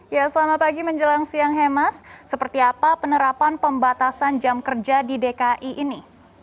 ya selamat pagi menjelang siang hemas seperti apa penerapan pembatasan jam kerja di dki ini